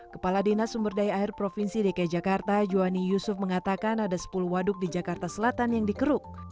kepala dinas sumber daya air provinsi dki jakarta juwani yusuf mengatakan ada sepuluh waduk di jakarta selatan yang dikeruk